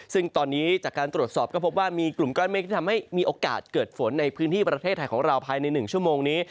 ซึ่งตอนนี้จากการตรวจสอบก็พบว่ามีกลุ่มก้อนเมฆที่ทำให้มีโอกาสเกิดฝนในพื้นที่ประเทศไทยของเราภายใน๑ชั่วโมงนี้